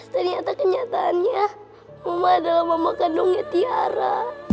ternyata kenyataannya uma adalah mama kandungnya tiara